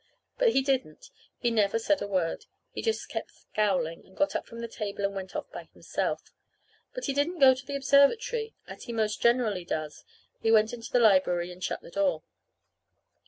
But he didn't. He never said a word. He just kept scowling, and got up from the table and went off by himself. But he didn't go out to the observatory, as he most generally does. He went into the library and shut the door.